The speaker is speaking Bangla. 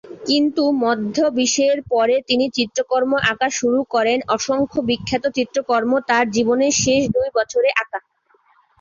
কিন্তু মধ্য বিশের পরে তিনি চিত্রকর্ম আঁকা শুরু করেন অসংখ্য বিখ্যাত চিত্রকর্ম তার জীবনের শেষ দুই বছরে আঁকা।